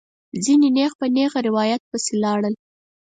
ځینې نېغ په نېغه روایت پسې لاړل.